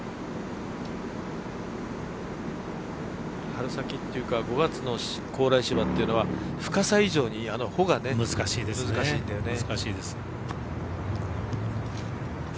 春先っていうか５月の高麗芝っていうのは深さ以上にあの穂が難しいんだよね。